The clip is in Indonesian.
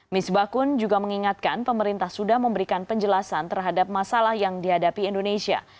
misbakun juga mengingatkan pemerintah sudah memberikan penjelasan terhadap masalah yang dihadapi indonesia